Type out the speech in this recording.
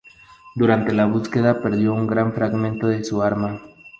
Durante la búsqueda, perdió un gran fragmento de su arma.